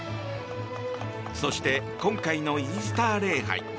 そして、今回のイースター礼拝。